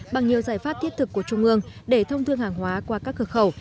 bằng nhiều giải pháp thiết thực của trung ương để thông thương hàng hóa qua các cửa khẩu